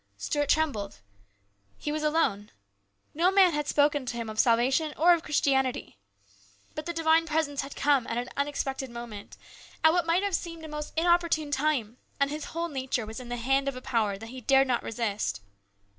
Stuart trembled. He was alone. No man had spoken to him of salvation or of Christianity. But the divine presence had come at an unexpected moment, at what might have seemed at a most inopportune time, and his whole nature was in the hand of a power that he dared not resist.